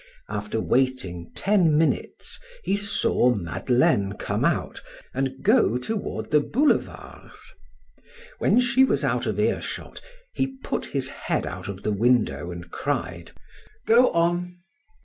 After waiting ten minutes, he saw Madeleine come out and go toward the boulevards. When she was out of earshot, he put his head out of the window and cried: "Go on!"